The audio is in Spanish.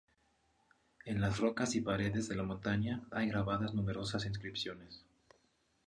En las rocas y paredes de la montaña hay grabadas numerosas inscripciones.